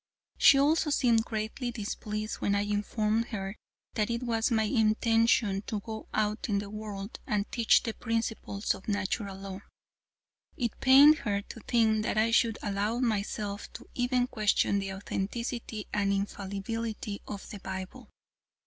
She also seemed greatly displeased when I informed her that it was my intention to go out into the world and teach the principles of Natural Law. It pained her to think that I should allow myself to even question the authenticity and infallibility of the Bible.